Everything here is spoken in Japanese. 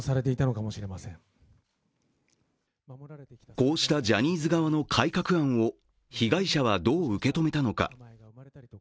こうしたジャニーズ側の改革案を被害者はどう受け止めたのか。